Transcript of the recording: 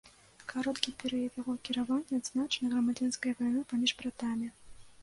Кароткі перыяд яго кіравання адзначаны грамадзянскай вайной паміж братамі.